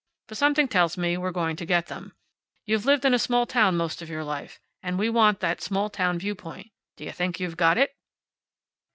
But something tells me we're going to get them. You've lived in a small town most of your life. And we want that small town viewpoint. D'you think you've got it?"